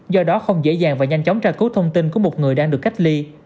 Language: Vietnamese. do đó không dễ dàng và nhanh chóng tra cứu thông tin của một người đang được cách ly